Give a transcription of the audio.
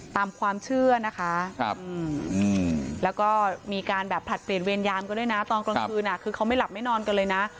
ตามความเชื่อนะคะแล้วก็มีการแบบผลัดเปลี่ยนเวรยามกันด้วยนะตอนกลางคืนคือเขาไม่หลับไม่นอนกันเลยนะ